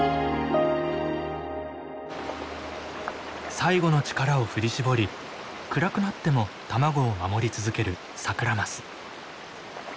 最後の力を振り絞り暗くなっても卵を守り続けるサクラマス。